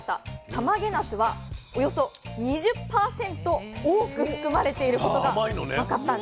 たまげなすはおよそ２０％多く含まれていることが分かったんです。